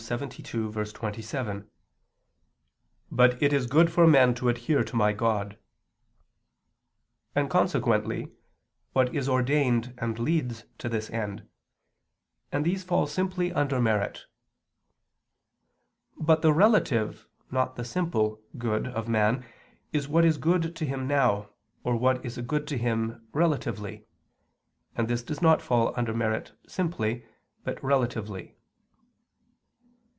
72:27: "But it is good for men to adhere to my God") and consequently what is ordained and leads to this end; and these fall simply under merit. But the relative, not the simple, good of man is what is good to him now, or what is a good to him relatively; and this does not fall under merit simply, but relatively.